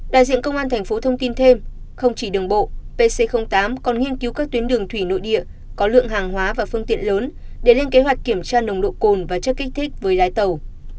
đại diện công an thành phố thông tin thêm không chỉ đường bộ pc tám còn nghiên cứu các tuyến đường thủy nội địa có lượng hàng hóa và phương tiện lớn để lên kế hoạch kiểm tra nồng độ cồn và chất kích thích với lái tàu